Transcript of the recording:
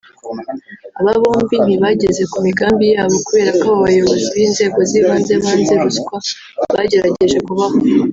Aba bombi ntibageze ku migambi yabo kubera ko abo bayobozi b’inzego z’ibanze banze ruswa bagerageje kubaha